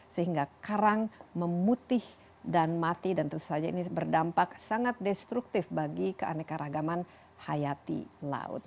sehingga karang memutih dan mati dan tentu saja ini berdampak sangat destruktif bagi keanekaragaman hayati laut